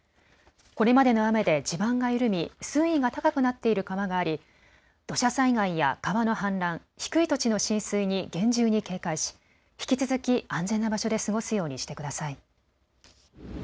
これまでの雨で地盤が緩み水位が高くなっている川があり土砂災害や川の氾濫、低い土地の浸水に厳重に警戒し引き続き安全な場所で過ごすようにしてください。